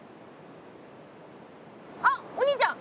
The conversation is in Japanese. あっお兄ちゃん